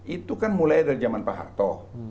itu kan mulai dari zaman pak harto